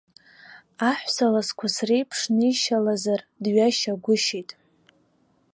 Аҳәса ласқәа среиԥшнишьалазар, дҩашьагәышьеит.